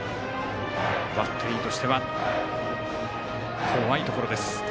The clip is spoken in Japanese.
バッテリーとしては怖いところです。